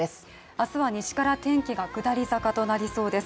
明日は西から天気が下り坂となりそうです。